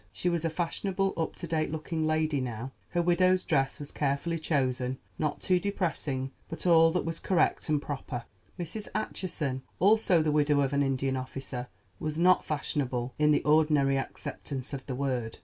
She was a fashionable, up to date looking lady now. Her widow's dress was carefully chosen—not too depressing, but all that was correct and proper. Mrs. Acheson, also the widow of an Indian officer, was not fashionable in the ordinary acceptance of the word.